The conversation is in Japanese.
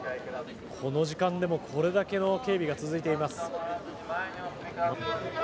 この時間でもこれだけの警備が続いています。